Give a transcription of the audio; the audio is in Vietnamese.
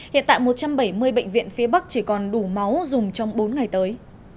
hiện tại một trăm bảy mươi bệnh viện phía bắc chỉ còn đủ máu dùng trong bốn ngày tới